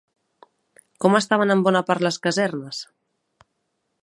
Com estaven en bona part les casernes?